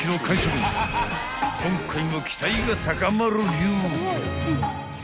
［今回も期待が高まるりょ］